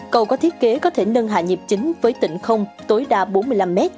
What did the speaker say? cầu có thiết kế có thể nâng hạ nhịp chính với tỉnh không tối đa bốn mươi năm m